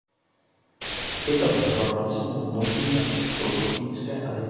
Tyto informace mu umožní napsat průkopnické a důležité spisy na toto téma.